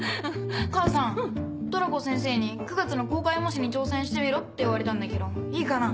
母さんトラコ先生に９月の公開模試に挑戦してみろって言われたんだけどいいかな？